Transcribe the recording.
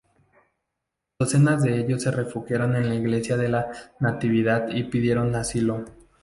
Docenas de ellos se refugiaron en la Iglesia de la Natividad y pidieron asilo.